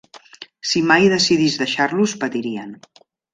Si mai decidís deixar-los, patirien.